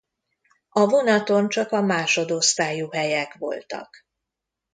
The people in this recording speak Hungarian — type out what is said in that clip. A vonaton csak a másodosztályú helyek voltak.